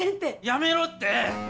やめろって！